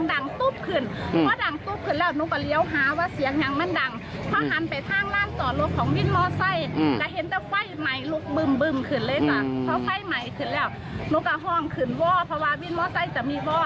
แต่ก็เมื่อกี้เลยอย่างนี้นะครับว่าเครื่องส่วนตลอดเป็นอะไรนะครับ